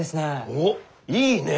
おっいいねえ！